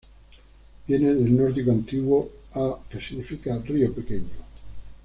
Viene del nórdico antiguo "á", que significa "río pequeño"